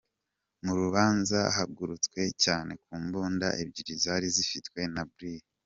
Mu rubanza hagarutswe cyane ku mbunda ebyiri zari zifitwe na Brig.